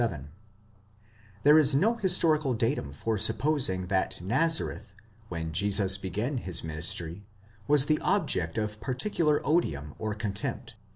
'There is no historical datum for supposing that Nazareth, when Jesus began his minis try, was the object of particular odium or contempt